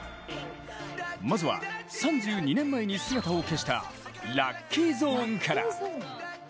まずは３２年前に姿を消したラッキーゾーンから。